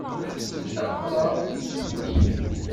Wtent aɣrab s ubunyiw.